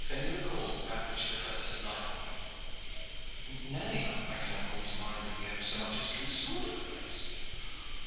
Can you recall that which befell us at Libourne?" "Nay, I cannot call to mind that we ever so much as drew sword at the place."